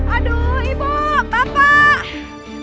aduh ibu bapak